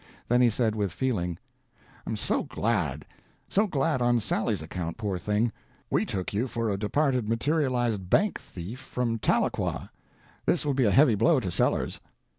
Then he said with feeling— "I'm so glad; so glad on Sally's account, poor thing. We took you for a departed materialized bank thief from Tahlequah. This will be a heavy blow to Sellers."